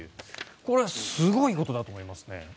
これはすごいことだと思いますね。